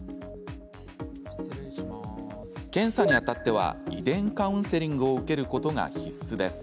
検査にあたっては遺伝カウンセリングを受けることが必須です。